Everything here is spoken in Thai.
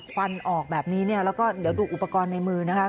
วันออกแบบนี้เนี่ยแล้วก็เดี๋ยวดูอุปกรณ์ในมือนะคะ